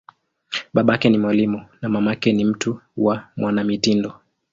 Babake ni mwalimu, na mamake ni mtu wa mwanamitindo.